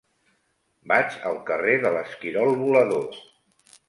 Vaig al carrer de l'Esquirol Volador.